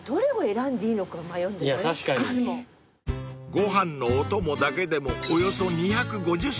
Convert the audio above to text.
［ご飯のお供だけでもおよそ２５０種類］